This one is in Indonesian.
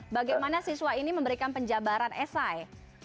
bagaimana siswa ini memberikan penjabaran esai